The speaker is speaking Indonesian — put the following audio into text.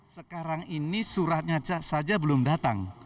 sekarang ini suratnya saja belum datang